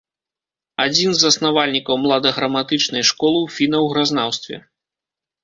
Адзін з заснавальнікаў младаграматычнай школы ў фіна-угразнаўстве.